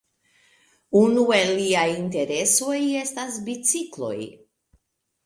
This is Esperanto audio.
Unu el liaj interesoj estas bicikloj.